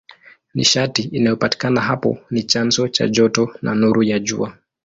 Nishati inayopatikana hapo ni chanzo cha joto na nuru ya Jua.